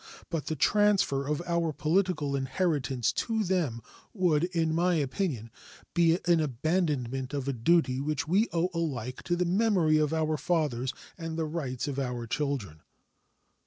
But the transfer of our political inheritance to them would, in my opinion, be an abandonment of a duty which we owe alike to the memory of our fathers and the rights of our children.